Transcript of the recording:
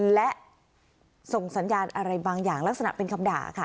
และส่งสัญญาณอะไรบางอย่างลักษณะเป็นคำด่าค่ะ